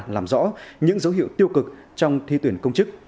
làm rõ những dấu hiệu tiêu cực trong thi tuyển công chức